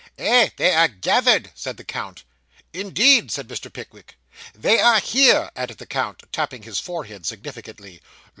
'Eh, they are gathered,' said the count. 'Indeed!' said Mr. Pickwick. 'They are here,' added the count, tapping his forehead significantly.